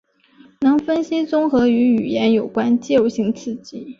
能分析综合与语言有关肌肉性刺激。